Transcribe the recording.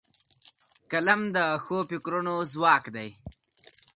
قلم د ښو فکرونو ځواک دی